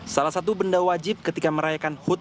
salah satu benda wajib ketika merayakan hud